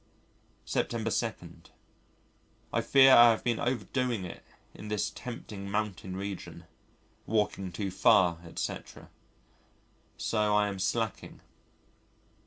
September 2. I fear I have been overdoing it in this tempting mountain region. Walking too far, etc. So I am slacking.